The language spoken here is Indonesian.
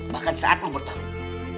bahkan saat lo bertarung